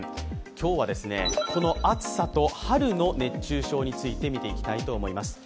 今日は、この暑さと春の熱中症について見ていきたいと思います。